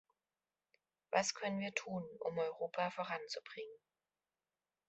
Was können wir tun, um Europa voranzubringen?